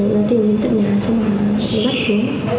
làm tốt công tác tuyên truyền